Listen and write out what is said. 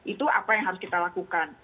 itu apa yang harus kita lakukan